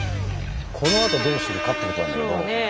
このあとどうするかってことなんだけど。